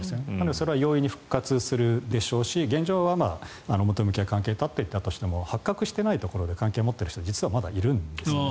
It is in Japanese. それは容易に復活するでしょうし現状は関係は断っていたとしても発覚してないところで関係を持っている人はいるんですね。